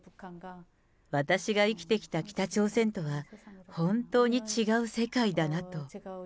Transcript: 私が生きてきた北朝鮮とは本当に違う世界だなと。